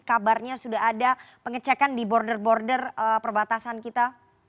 kabarnya sudah ada pengecekan di border border perbatasan kita